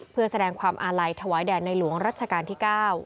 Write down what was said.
เพื่อแสดงความอาลัยถวายแด่ในหลวงรัชกาลที่๙